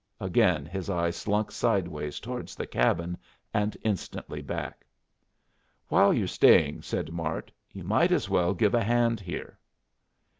Again his eye slunk sidewise towards the cabin, and instantly back. "While you're staying," said Mart, "you might as well give a hand here."